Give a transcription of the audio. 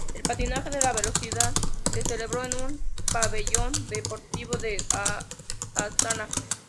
El patinaje de velocidad se celebró en un pabellón deportivo en Astaná.